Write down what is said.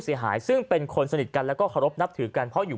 เสียหายซึ่งเป็นคนสนิทกันแล้วก็เคารพนับถือกันเพราะอยู่